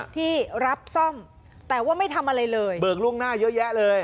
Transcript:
ที่รับซ่อมแต่ว่าไม่ทำอะไรเลยเบิกล่วงหน้าเยอะแยะเลย